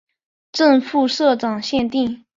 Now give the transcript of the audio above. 正副社长限定